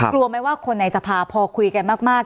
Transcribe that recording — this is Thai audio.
กลัวไหมว่าคนในสภาพอคุยกันมาก